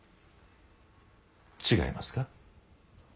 違いますか？